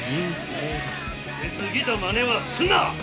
出過ぎたまねはすんな！